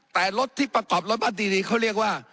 แต่รถที่ประกอบรถบัสดีเขาเรียกว่า